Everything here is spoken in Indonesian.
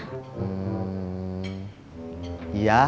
kau ya udah ajak dia nikah